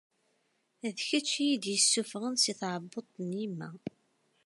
D kečč i iyi-id-issufɣen si tɛebbuḍt n yemma.